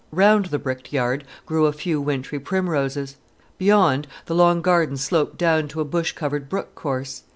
Round the bricked yard grew a few wintry primroses. Beyond, the long garden sloped down to a bush covered brook course.